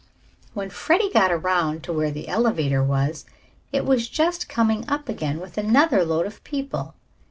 When Freddie got around to where the elevator was, it was just coming up again with another load of people.